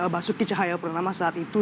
basuki cahaya purnama saat itu